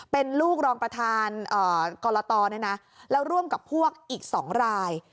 เป็นลูกรองประธานกรตแล้วร่วมกับพวกอีก๒ราย